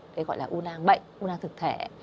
thế gọi là u nang bệnh u nang thực thể